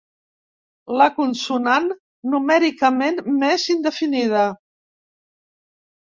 La consonant numèricament més indefinida.